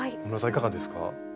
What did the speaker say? いかがですか？